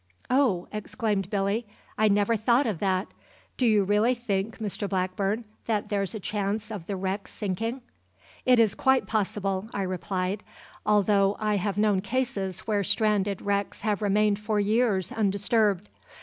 "Oh!" exclaimed Billy, "I never thought of that. Do you really think, Mr Blackburn, that there's a chance of the wreck sinking?" "It is quite possible," I replied, "although I have known cases where stranded wrecks have remained for years undisturbed.